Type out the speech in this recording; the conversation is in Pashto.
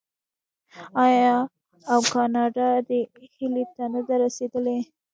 آیا او کاناډا دې هیلې ته نه ده رسیدلې؟